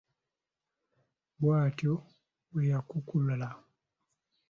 Bw'atyo bwe yakukkuluma.